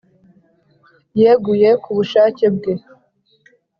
yeguye ku bushake bwe